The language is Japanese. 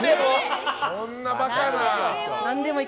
そんなバカな！